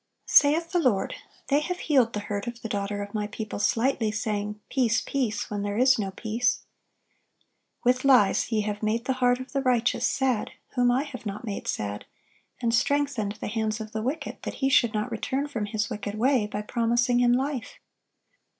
Saith the Lord: "They have healed the hurt of the daughter of My people slightly, saying, Peace, peace; when there is no peace." "With lies ye have made the heart of the righteous sad, whom I have not made sad; and strengthened the hands of the wicked, that he should not return from his wicked way, by promising him life."